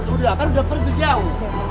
udah kan udah pergi jauh